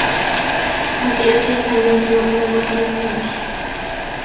Hacía seis años que no operaba por este mar.